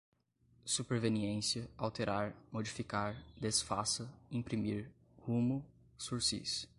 superveniência, alterar, modificar, desfaça, imprimir, rumo, sursis